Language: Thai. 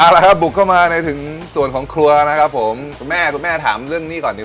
นะครับบุกเข้ามาแล้วถึงส่วนของครัวนะครับผมแม่ว่าแม่ถามเรื่องนี้ก่อนดี